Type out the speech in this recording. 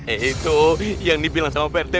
eh itu yang dibilang sama pak rt